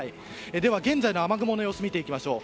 では現在の雨雲の様子を見ていきましょう。